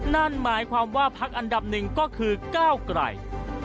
นั่นหมายความว่าพักอันดับหนึ่งก็คือก้าวไกล